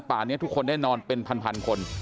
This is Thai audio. ป่านี้ทุกคนแน่นอนเป็นพันคน